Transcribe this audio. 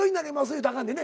言うたらあかんねんね？